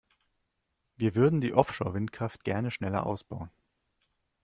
Wir würden die Offshore-Windkraft gerne schneller ausbauen.